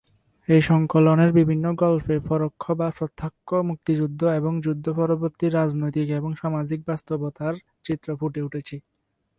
এই সংকলনের বিভিন্ন গল্পে পরোক্ষ বা প্রত্যক্ষভাবে মুক্তিযুদ্ধ এবং যুদ্ধ-পরবর্তী রাজনৈতিক এবং সামাজিক বাস্তবতার চিত্র ফুটে উঠেছে।